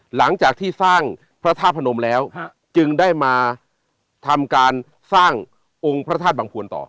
หลังจากที่สร้างพระธาตุพนมแล้วจึงได้มาทำการสร้างองค์พระธาตุบังพวนต่อ